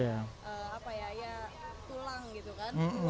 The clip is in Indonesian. dan apa ya ya tulang gitu kan